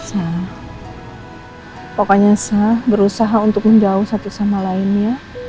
sah pokoknya sah berusaha untuk menjauh satu sama lainnya